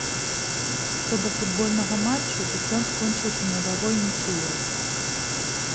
Што да футбольнага матчу, дык ён скончыўся нулявой нічыёй.